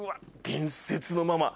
伝説のママ。